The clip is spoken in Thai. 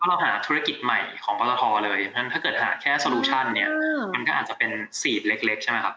เราหาธุรกิจใหม่ของปตทเลยเพราะฉะนั้นถ้าเกิดหาแค่สลูชั่นเนี่ยมันก็อาจจะเป็นสีดเล็กใช่ไหมครับ